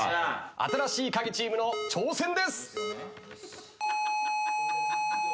新しいカギチームの挑戦です。